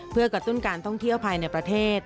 เพื่อกระตุ้นการท่องเที่ยวภายในประเทศ